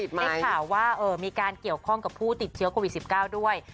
ได้ข่าวว่ามีการเกี่ยวข้องกับผู้ติดเชื้อโควิด๑๙ด้วย